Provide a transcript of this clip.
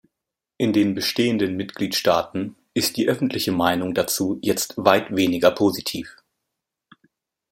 In den bestehenden Mitgliedstaaten ist die öffentliche Meinung dazu jetzt weit weniger positiv.